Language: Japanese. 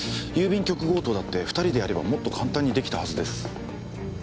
郵便局強盗だって２人でやればもっと簡単にできたはずです。